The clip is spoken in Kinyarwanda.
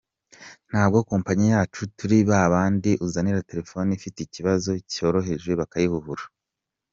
Ntabwo kompanyi yacu turi babandi uzanira telefoni ifite ikibazo cyoroheje bakayihuhura.